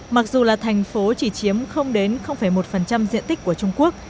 mặc dù là thành phố chỉ chiếm đến một diện tích của trung quốc